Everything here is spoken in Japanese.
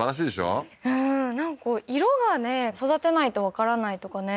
うんなんか色がね育てないとわからないとかね